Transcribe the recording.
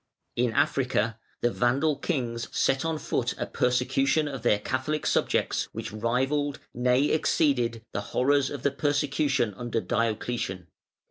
In Africa, the Vandal kings set on foot a persecution of their Catholic subjects which rivalled, nay exceeded, the horrors of the persecution under Diocletian.